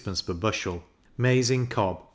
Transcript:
per bushel; maize in cob 4d.